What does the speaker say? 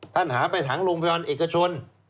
หาไปถังโรงพยาบาลเอกชน